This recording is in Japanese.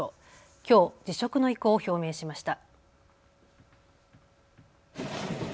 きょう辞職の意向を表明しました。